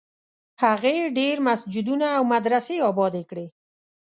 هغې ډېر مسجدونه او مدرسې ابادي کړې.